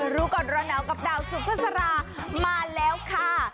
รุกรณาวกับดาวสุขศรามาแล้วค่ะ